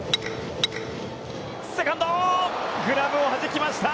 セカンド！グラブをはじきました！